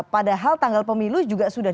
padahal tanggal pemilu juga sudah